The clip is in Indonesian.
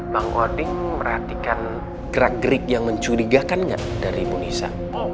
bang odin meratikan gerak gerik yang mencurigakan gak dari bu nisa